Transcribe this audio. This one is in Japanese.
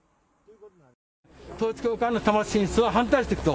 統一教会の多摩進出は反対していくと。